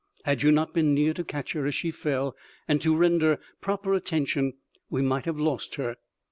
Had you not been near to catch her as she fell and to render proper attention, we might have lost her.